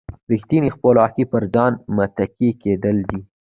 ریښتینې خپلواکي پر ځان متکي کېدل دي.